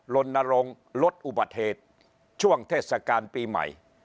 ลนรงค์ลดอุบัติเหตุช่วงเทศกาลปีใหม่